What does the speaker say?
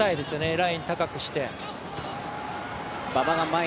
ライン高くして。